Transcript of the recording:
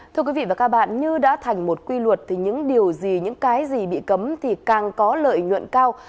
thưa quý vị và các bạn như đã thành một quy luật thì những điều gì những cái gì bị cấm thì càng có lợi nhuận cao